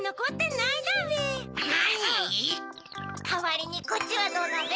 なに⁉かわりにこっちはどうだべ？